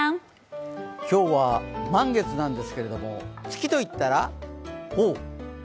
今日は満月なんですけれども、月と言ったら？